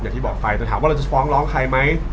อย่างที่บอกไปแต่ถามว่าเราจะฟ้องร้องใครไหม